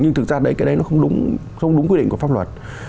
nhưng thực ra cái đấy không đúng quy định của pháp luật